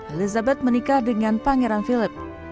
elizabeth menikah dengan pangeran philip